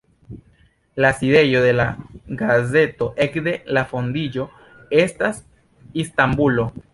La sidejo de la gazeto ekde la fondiĝo estas Istanbulo.